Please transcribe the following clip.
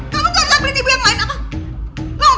kamu kan lakbri di belakang